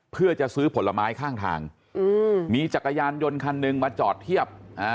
เพื่อจะซื้อผลไม้ข้างทางมีจักรยานยนต์คันหนึ่งมาจอดเทียบ